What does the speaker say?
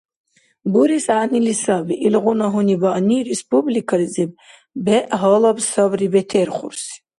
Бурес гӀягӀнили саби, илгъуна гьунибаъни республикализиб бегӀ гьалаб сабри бетерхурси.